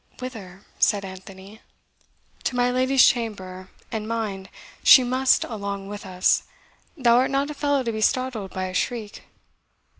"Whither?" said Anthony. "To my lady's chamber; and, mind, she MUST along with us. Thou art not a fellow to be startled by a shriek?"